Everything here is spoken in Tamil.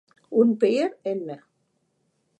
உன் பெயர் என்ன?